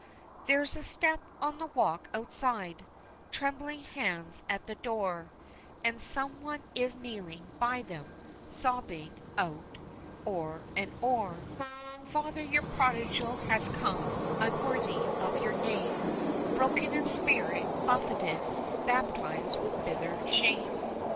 There's a step on the walk outside, trembling hands at the door, And some one is kneeling by them, sobbing out o'er and o'er: "Father, your prodigal has come, unworthy of your name, Broken in spirit, buffeted, baptised with bitter shame.